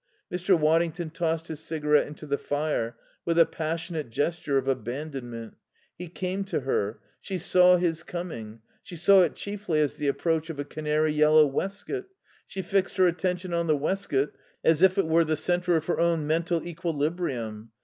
Mr. Waddington tossed his cigarette into the fire with a passionate gesture of abandonment. He came to her. She saw his coming. She saw it chiefly as the approach of a canary yellow waistcoat. She fixed her attention on the waistcoat as if it were the centre of her own mental equilibrium.